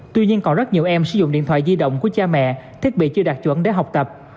tuy nhiên còn rất nhiều em sử dụng điện thoại di động của cha mẹ thiết bị chưa đạt chuẩn để học tập